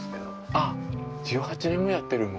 ああ１８年もやってるの？